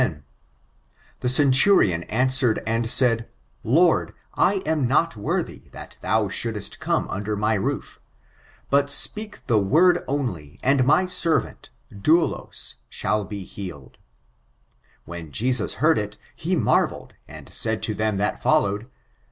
10; ''The centurion answered and eaid, Lord, I am not worthy that thou shouldest come under my roof: but speak the word only, and my servant, douloSf shall be healed. When Jesus heard it, he marvelled, and said to them that followed.